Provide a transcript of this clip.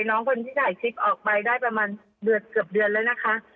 น้องคนที่ถ่ายคลิปออกไปได้ประมาณเกือบเดือนแล้วนะคะ